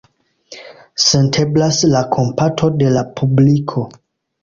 Senteblas la kompato de la publiko.